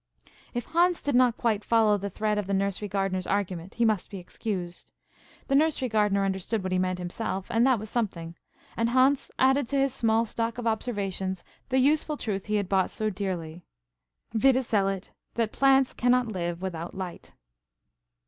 If Hans did not quite follow the thread of the nursery gardener's argument he must be excused. The nursery gardener understood what he meant himself, and that was something; and Hans added to his small stock of observations the useful truth he had bought so dearly, viz., that plants cannot live without light.